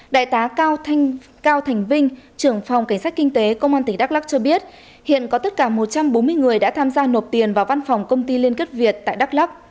đại tá cao thành vinh trưởng phòng cảnh sát kinh tế công an tỉnh đắk lắc cho biết hiện có tất cả một trăm bốn mươi người đã tham gia nộp tiền vào văn phòng công ty liên kết việt tại đắk lắc